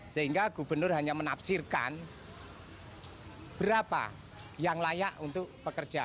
sehingga gubernur hanya menafsirkan berapa yang layak untuk pekerja